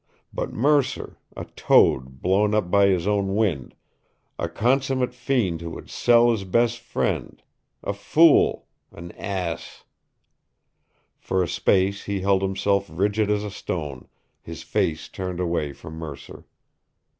But Mercer a toad blown up by his own wind, a consummate fiend who would sell his best friend, a fool, an ass For a space he held himself rigid as a stone, his face turned away from Mercer.